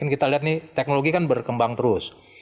kita lihat nih teknologi kan berkembang terus